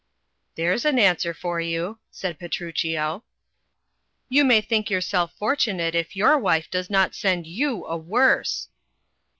There's an answer for you," said Petruchio. "You may think yourself fortunate if your wife does not send you a worse."